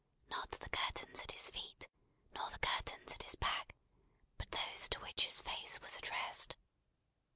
Not the curtains at his feet, nor the curtains at his back, but those to which his face was addressed.